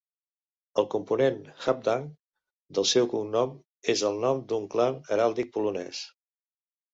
El component "Habdank" del seu cognom és el nom d'un clan heràldic polonès.